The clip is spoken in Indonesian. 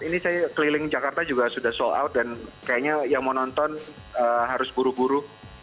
ini saya keliling jakarta juga sudah sold out dan kayaknya yang mau nonton harus buru buru